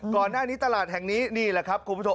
ก่อนหน้านี้ตลาดแห่งนี้นี่แหละครับคุณผู้ชม